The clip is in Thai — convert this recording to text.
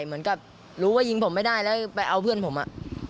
เหมือนกับรู้ว่ายิงผมไม่ได้แล้วไปเอาเพื่อนผมอ่ะ